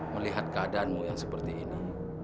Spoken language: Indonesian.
melihat keadaanmu yang seperti ini